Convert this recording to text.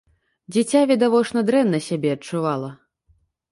Дзіця відавочна дрэнна сябе адчувала.